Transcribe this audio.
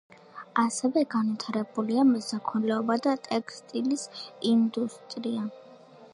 ასევე განვითარებულია მესაქონლეობა და ტექსტილის ინდუსტრია.